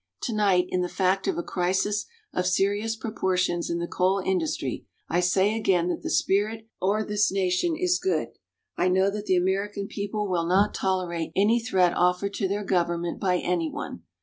Tonight, in the fact of a crisis of serious proportions in the coal industry, I say again that the spirit or this nation is good. I know that the American people will not tolerate any threat offered to their government by anyone.